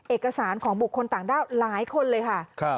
เอกสารของบุคคลต่างด้าวหลายคนเลยค่ะ